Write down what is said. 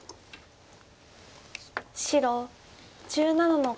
白１７の五。